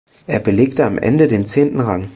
Er belegte am Ende den zehnten Rang.